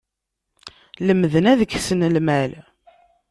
Lemden ad ksen lmal.